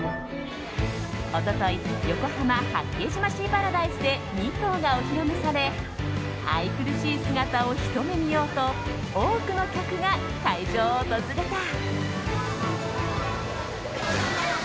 一昨日横浜・八景島シーパラダイスで２頭がお披露目され愛くるしい姿をひと目見ようと多くの客が会場を訪れた。